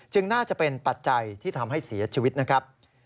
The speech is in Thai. น่าจะเป็นปัจจัยที่ทำให้เสียชีวิตนะครับ